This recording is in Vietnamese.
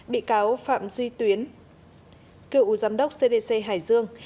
bị cáo phạm duy tuyến cựu giám đốc cdc hải dương